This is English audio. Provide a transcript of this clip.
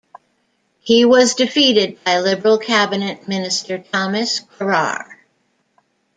He was defeated by Liberal cabinet minister Thomas Crerar.